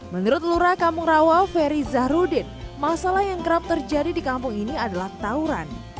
menurut lura kampung rawa ferry zahrudin masalah yang kerap terjadi di kampung ini adalah tauran